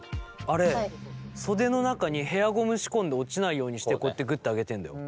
あれ袖の中にヘアゴム仕込んで落ちないようにしてこうやってグッて上げてんだよ。